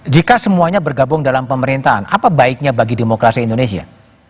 jika semuanya bergabung dalam pemerintahan apa baiknya bagi demokrasi indonesia